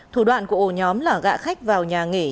thủ đoạn của ổ nhóm là gạ khách vào nhà nghỉ